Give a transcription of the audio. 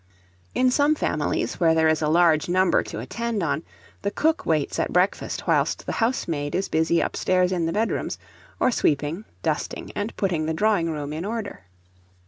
In some families, where there is a large number to attend on, the cook waits at breakfast whilst the housemaid is busy upstairs in the bedrooms, or sweeping, dusting, and putting the drawing room in order.